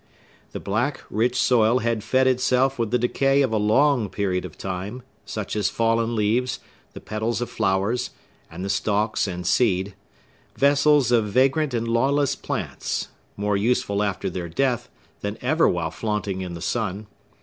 The black, rich soil had fed itself with the decay of a long period of time; such as fallen leaves, the petals of flowers, and the stalks and seed vessels of vagrant and lawless plants, more useful after their death than ever while flaunting in the sun.